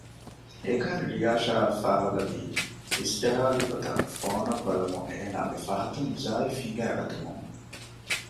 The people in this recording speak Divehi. އެކަން ރިޔާޝާ އަށް ފާހަގަ ވީ އިސްޖަހާލި ގޮތަށް ފޯނަށް ބަލަމުން އޭނާގެ ފަހަތުން ޒާއިފް ހިނގައިގަތުމުން